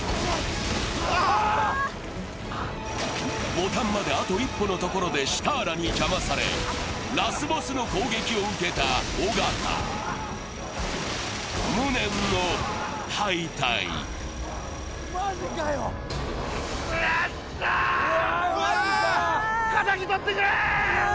ボタンまであと一歩のところでシターラに邪魔されラスボスの攻撃を受けた尾形無念の敗退うわっクソ！敵取ってくれ！